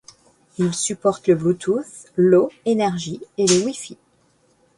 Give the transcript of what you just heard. Il supporte le Bluetooth low energy et le Wi-Fi.